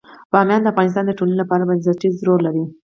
بامیان د افغانستان د ټولنې لپاره بنسټيز رول لري.